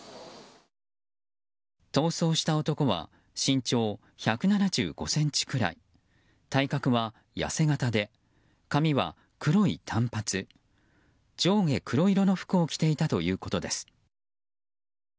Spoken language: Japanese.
逃走した男は身長１７５ｃｍくらい体格は痩せ形で髪は黒い短髪上下黒色の服を着ていたということです。